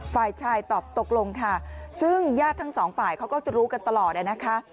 ฝ่ายชายตอบตกลงค่ะซึ่งญาติทั้งสองฝ่ายเขาก็จะรู้กันตลอดนะคะ